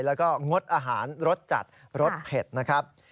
แล้วก็งดอาหารรสจัดรสเผ็ดนะครับ